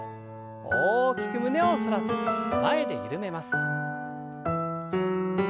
大きく胸を反らせて前で緩めます。